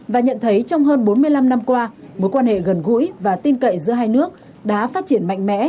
và nhận thấy trong hơn bốn mươi năm năm qua mối quan hệ gần gũi và tin cậy giữa hai nước đã phát triển mạnh mẽ